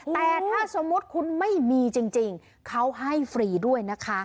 แต่ถ้าสมมุติคุณไม่มีจริงเขาให้ฟรีด้วยนะคะ